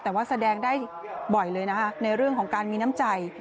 แต่ว่าแสดงได้บ่อยเลยนะคะในเรื่องของการมีน้ำใจ